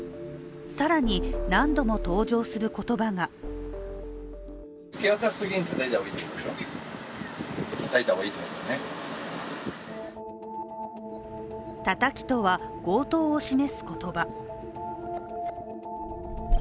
更に何度も登場する言葉がたたきとは、強盗を示す言葉。